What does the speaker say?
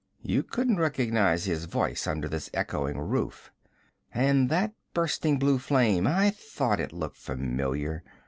You couldn't recognize his voice, under this echoing roof. And that bursting blue flame I thought it looked familiar.